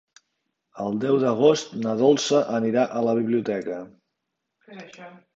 El deu d'agost na Dolça anirà a la biblioteca.